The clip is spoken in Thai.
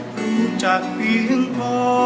รู้จักเพียงพอ